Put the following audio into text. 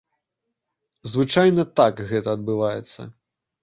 Звычайна так гэта адбываецца.